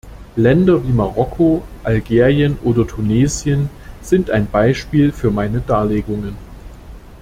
Länder wie Marokko, Algerien oder Tunesien sind ein Beispiel für meine Darlegungen.